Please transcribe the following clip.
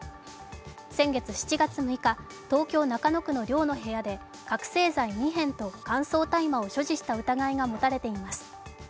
先月７月６日、東京・中野区の寮の部屋で覚醒剤２片と乾燥大麻を所持した疑いが持たれています。